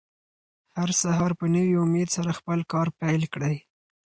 هر سهار په نوي امېد سره خپل کار پیل کړئ.